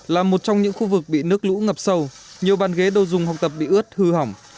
là một trong những khu vực bị nước lũ ngập sâu nhiều bàn ghế đô dùng học tập bị ướt hư hỏng